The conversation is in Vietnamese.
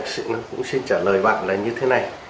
xin trả lời bạn là như thế này